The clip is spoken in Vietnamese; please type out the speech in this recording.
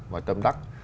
và tâm đắc